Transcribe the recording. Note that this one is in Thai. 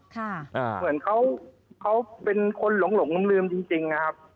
เหมือนเขาเป็นคนหลงลืมจริงนะครับ